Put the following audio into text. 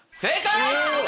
正解！